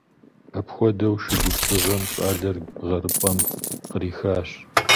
Апхуэдэу шы губзыгъэм щӏалэр гъэрыпӏэм кърихащ.